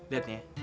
lihat nih ya